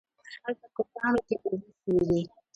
هلته په کاڼو کې اوبه شوي دي